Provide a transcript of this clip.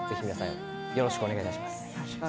よろしくお願いします。